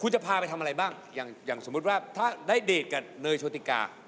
คุณจะพาไปทำอะไรบ้างอย่างสมมุติว่าถ้าได้เดทกับเนยโชติกา